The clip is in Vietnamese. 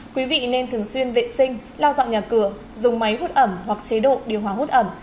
quý vị nên thường xuyên vệ sinh lao dọn nhà cửa dùng máy hút ẩm hoặc chế độ điều hòa hút ẩm